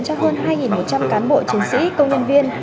cho hơn hai một trăm linh cán bộ chiến sĩ công nhân viên